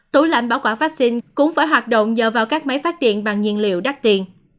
tủ lạnh bảo quản vắc xin cũng phải hoạt động nhờ vào các máy phát điện bằng nhiên liệu đắt tiền